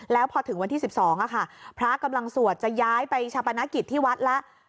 แล้วพอถึงวันที่๑๒พระกำลังสวดจะย้ายไปชาปนกิจที่วัดแล้ว